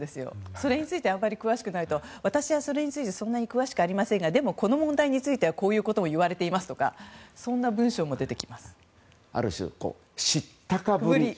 それについてあまり詳しくないと私はそれについてそんなに詳しくありませんがでも、この問題についてはこういうことを言われてますとかある種、知ったかぶり。